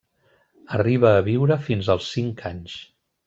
Arriba a viure fins als cinc anys.